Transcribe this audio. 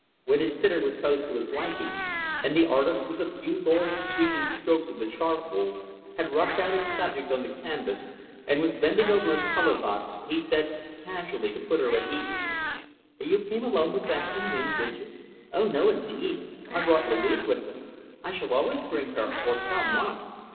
When his sitter was posed to his liking, and the artist, with a few bold, sweeping, strokes of the charcoal had roughed out his subject on the canvas, and was bending over his color box he said, casually, to put her at ease, "You came alone this afternoon, did you?" "Oh, no, indeed! I brought Louise with me. I shall always bring her, or some one.